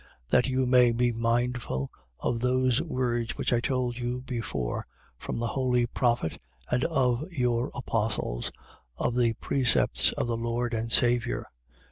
That you may be mindful of those words which I told you before from the holy prophet and of your apostles, of the precepts of the Lord and Saviour.